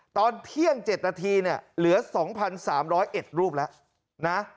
ตอนเที่ยง๗นาทีเนี่ยเหลือ๒๓๐๑รูปแล้วนะ